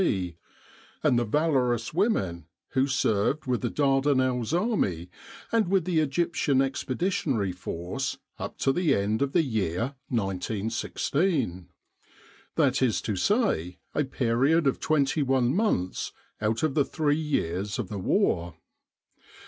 C., and the valor ous women, who served with the Dardanelles Army and with the Egyptian Expeditionary Force up to the end of the year 1916 that is to say, a period of twenty one months out of the three years of the war.